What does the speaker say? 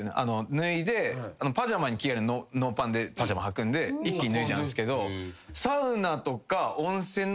脱いでパジャマに着替えるノーパンでパジャマはくんで一気に脱いじゃうんすけど。